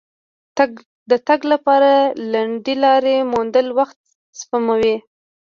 د تګ لپاره لنډې لارې موندل وخت سپموي.